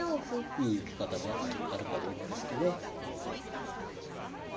いい受け方があるかどうかですかね。